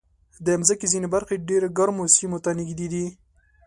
د مځکې ځینې برخې ډېر ګرمو سیمو ته نږدې دي.